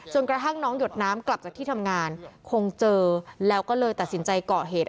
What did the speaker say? กระทั่งน้องหยดน้ำกลับจากที่ทำงานคงเจอแล้วก็เลยตัดสินใจก่อเหตุ